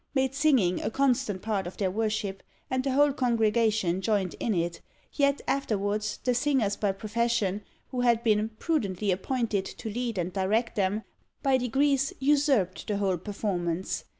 made singing a constant part of their worship, and the whole congregation joined in it; yet afterwards the singers by profession, who had been prudently appointed to lead and direct them, by degrees USURPED the whole performance.